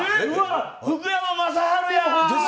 福山雅治や。